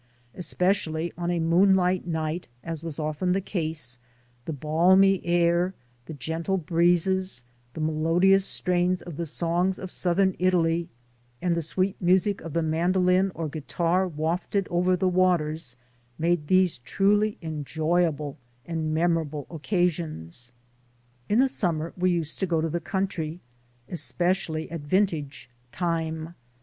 Especially on a moonlight night, as was often the case, the balmy air, the gentle breezes, the melodious strains of the songs of southern Italy, and the sweet music of the A NATIVE OF ANCIENT APULIA 23 mandolin or guitar wafted over the waters, made these truly enjoyable and memorable occasions. In the summer we used to go to the country, es pecially at vintage time.